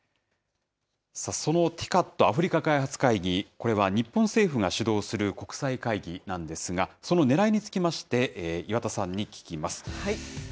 そのＴＩＣＡＤ・アフリカ開発会議、これは日本政府が主導する国際会議なんですが、そのねらいにつきまして、岩田さんに聞きます。